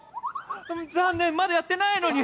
残念、まだやってないのに。